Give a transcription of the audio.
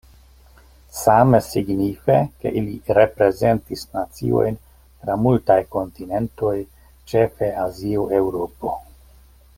Same signife, ke ili reprezentis naciojn tra multaj kontinentoj, ĉefe Azio, Eŭropo.